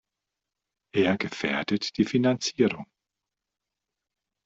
Er gefährdet die Finanzierung.